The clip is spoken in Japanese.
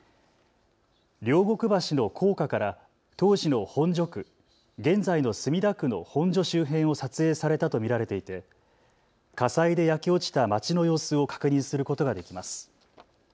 両国橋の高架から当時の本所区、現在の墨田区の本所周辺を撮影されたと見られていて火災で焼け落ちた町の様子を確認することができます。